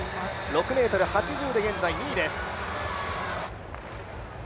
６ｍ８０で現在２位です。